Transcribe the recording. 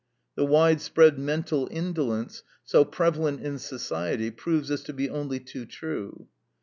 The widespread mental indolence, so prevalent in society, proves this to be only too true.